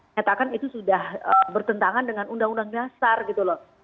ngetahkan itu sudah bertentangan dengan undang undang dasar gitu loh